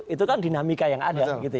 itu kan dinamika yang ada